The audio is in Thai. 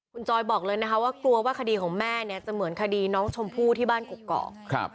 คุณจอยบอกเลยนะคะว่ากลัวว่าคดีของแม่เนี่ยจะเหมือนคดีน้องชมพู่ที่บ้านกกอก